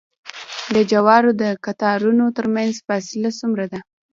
د جوارو د قطارونو ترمنځ فاصله څومره وي؟